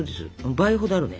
倍ほどあるね。